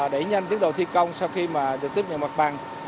đẩy nhanh tiến đầu thi công sau khi mà được tiếp nhận mặt bằng